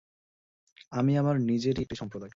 আমি আমার নিজেরই একটি সম্প্রদায়।